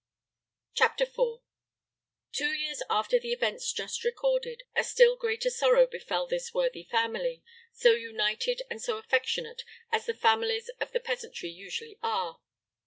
CHAPTER IV. Two years after the events just recorded, a still greater sorrow befell this worthy family, so united and so affectionate, as the families of the peasantry usually are.